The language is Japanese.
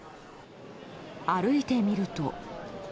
歩いてみると。